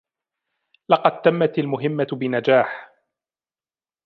لقد تمت المهمه بنجاح